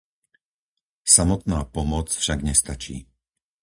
Samotná pomoc však nestačí.